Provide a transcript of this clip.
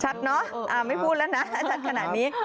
ไม่พูดแล้วนะชัดขนาดนี้